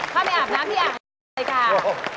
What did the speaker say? เข้าไปอาบน้ำพี่อ่างด้วยค่ะ